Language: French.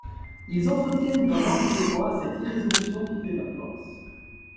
Ils entretiennent dans l’âme du roi cette irrésolution qui fait ma force.